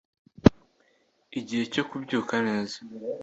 igihe cyo kubyuka neza